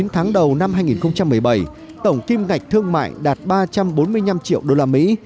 chín tháng đầu năm hai nghìn một mươi bảy tổng kim ngạch thương mại đạt ba trăm bốn mươi năm triệu đô la mỹ